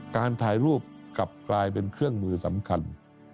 การถ่ายรูปกลับกลายเป็นเครื่องมือสำคัญ